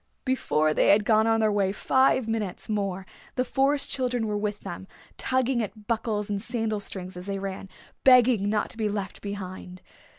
Before they had gone on their way five minutes more the Forest Children were up with them, tugging at buckles and sandal strings as they ran, begging not to be left behind.